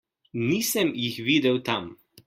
Nisem jih videl tam.